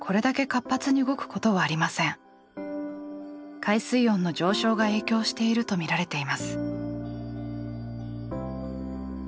海水温の上昇が影響していると見られています。